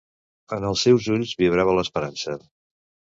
En els seus ulls vibrava l'esperança.